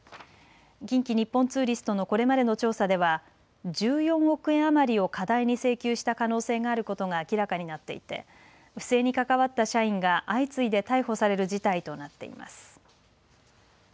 近畿日本ツーリストのこれまでの調査では１４億円余りを過大に請求した可能性があることが明らかになっていて不正に関わった社員が相次いで逮捕される事態となっています。